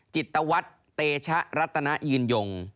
จิตวัตรเตชะรัตนายืนยง